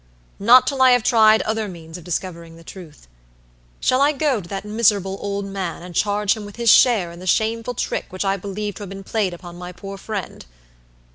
not till I have tried other means of discovering the truth. Shall I go to that miserable old man, and charge him with his share in the shameful trick which I believe to have been played upon my poor friend?